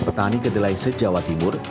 petani kedelai se jawa timur